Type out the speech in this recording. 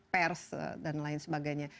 dia memenjarakan pers dan lain sebagainya